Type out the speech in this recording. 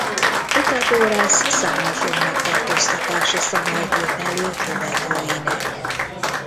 Püthagorasz számos önmegtartóztatási szabályt írt elő követőinek.